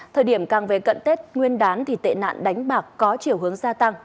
thời điểm càng về cận tết nguyên đán thì tệ nạn đánh bạc có chiều hướng gia tăng